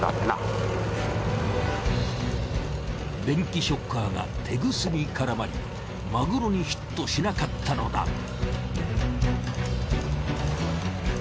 電気ショッカーがテグスに絡まりマグロにヒットしなかったのだ。